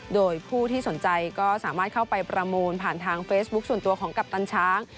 โดยผู้ที่สนใจก็สามารถเข้าไปประมูลผ่านทางเฟซบุ๊คส่วนตัวของกัปตันช้าง